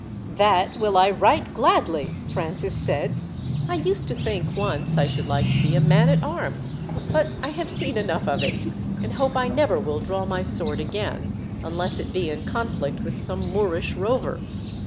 "That will I right gladly," Francis said. "I used to think, once, I should like to be a man at arms; but I have seen enough of it, and hope I never will draw my sword again, unless it be in conflict with some Moorish rover.